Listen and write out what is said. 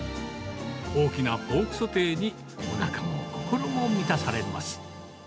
大きなポークソテーにおなかも心も満たされます。